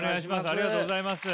ありがとうございます。